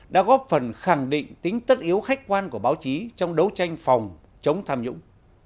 đã góp phần khẳng định tính tất yếu khách quan của báo chí trong đấu tranh phòng chống tham nhũng